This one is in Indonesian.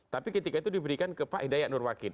tapi ketika itu diberikan ke pak hidayat nurwakid